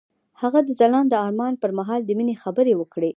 هغه د ځلانده آرمان پر مهال د مینې خبرې وکړې.